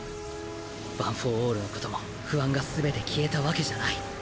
ワン・フォー・オールの事も不安が全て消えたわけじゃない